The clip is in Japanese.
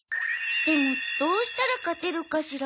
でもどうしたら勝てるかしら？